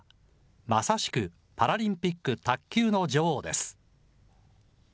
まさしくパラリンピック卓球の女王です。